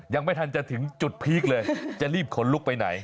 ยังไม่ทันจะถึงจุดพีคเลยจะรีบขนลุกไปไหน